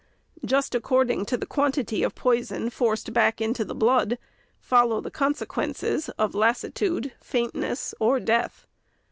Just according to the quantity of poison forced back into the blood, follow the consequences of lassitude, faintness, or death.